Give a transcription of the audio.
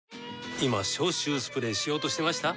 今消臭スプレーしようとしてました？